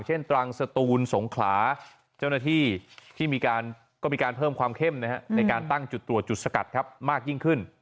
ตรังสตูนสงขลาเจ้าหน้าที่ที่มีการก็มีการเพิ่มความเข้มในการตั้งจุดตรวจจุดสกัดครับมากยิ่งขึ้น